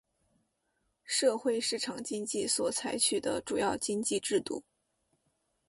社会市场经济所采取的主要经济制度。